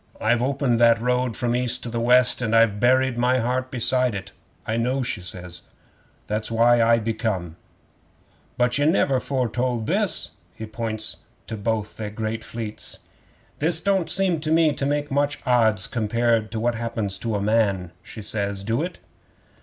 I've opened that road from the East to the West, and I've buried my heart beside it." '"I know," she says. "That's why I be come." '"But ye never foretold this"; he points to both they great fleets. '"This don't seem to me to make much odds compared to what happens to a man," she says. "Do it?"